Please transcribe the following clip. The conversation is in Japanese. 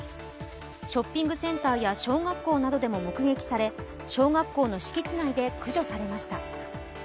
ショッピングセンターや小学校などでも目撃され小学校の敷地内で駆除されました。